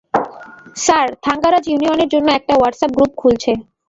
Sir, Thangaraj ইউনিয়নের জন্য একটা হোয়াটসঅ্যাপ গ্রুপ খুলছে।